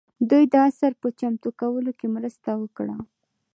دوی د اثر په چمتو کولو کې مرسته وکړه.